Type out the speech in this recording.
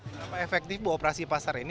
berapa efektif bu operasi pasar ini